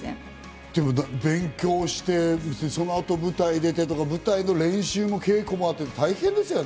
でも勉強して、そのあと舞台出て、舞台の練習も稽古もあって大変ですよね。